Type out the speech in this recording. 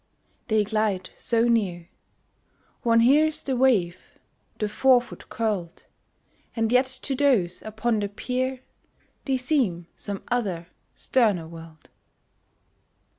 They glide so near, One hears the wave the fore foot curled, And yet to those upon the pier They seem some other sterner world.